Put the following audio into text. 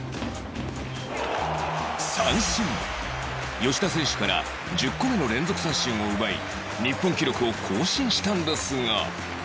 吉田選手から１０個目の連続三振を奪い日本記録を更新したんですが